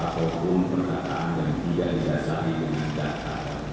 ataupun perkataan yang tidak disasari dengan data